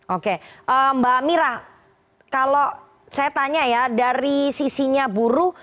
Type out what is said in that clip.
oke mbak mira kalau saya tanya ya dari sisinya buruh